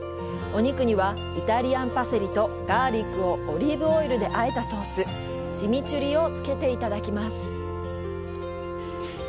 お肉にはイタリアンパセリとガーリックをオリーブオイルであえたソース、チミチュリをつけていただきます。